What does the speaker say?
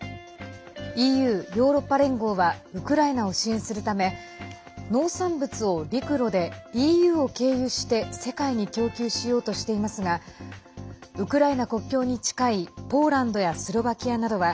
ＥＵ＝ヨーロッパ連合はウクライナを支援するため農産物を陸路でＥＵを経由して世界に供給しようとしていますがウクライナ国境に近いポーランドやスロバキアなどは